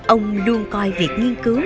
ông luôn coi việc nghiên cứu